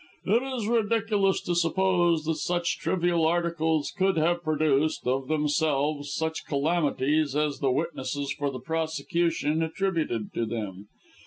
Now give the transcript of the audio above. It is ridiculous to suppose that such trivial articles could have produced, of themselves, such calamities as the witnesses for the prosecution attributed to them.